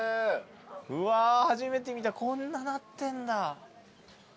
うわ初めて見たこんななってんだ。